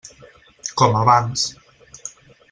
Com abans.